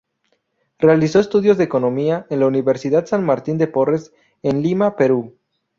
Realizó estudios de Economía en la universidad San Martín de Porres en Lima-Perú.